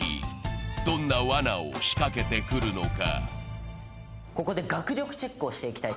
どんなわなを仕掛けてくるのか。